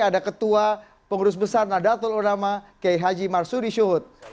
ada ketua pengurus besar nadatul ulama k h marsudi syuhud